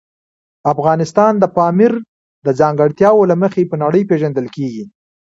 افغانستان د پامیر د ځانګړتیاوو له مخې په نړۍ پېژندل کېږي.